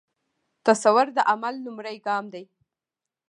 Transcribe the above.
تصور د عمل لومړی ګام دی.